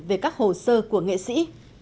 về các hồ sơ của nghệ sĩ